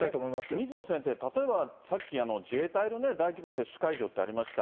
水野先生、例えば、さっき自衛隊の大規模接種会場ってありました。